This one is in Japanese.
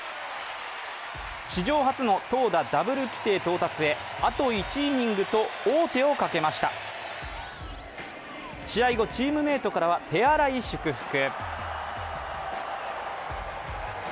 史上初の投打ダブル規定到達へあと１イニングと王手をかけました試合後、チームメイトからは手荒い祝福。